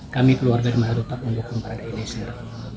kami keluarga di manado tak membutuhkan para eliezer